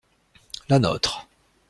La nôtre.